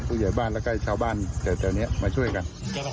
ผู้ใหญ่บ้านแล้วก็ชาวบ้านแถวนี้มาช่วยกัน